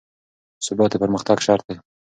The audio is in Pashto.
ثبات د پرمختګ شرط دی